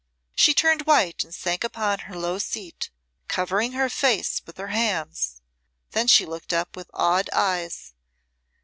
She turned white and sank upon her low seat, covering her face with her hands. Then she looked up with awed eyes.